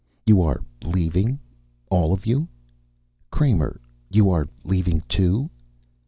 You are leaving, all of you? Kramer, you are leaving, too?